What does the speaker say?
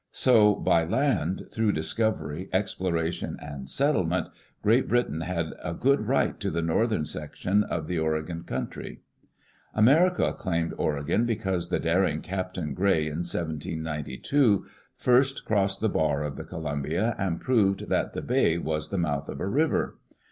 So, by land, through discovery, exploration, and settlement, Great Britain had a good right to the northern section of the Oregon country. America claimed Oregon because the daring Captain Gray, in 1792, first crossed the bar of the Columbia and proved that the "bay" was the mouth of a river.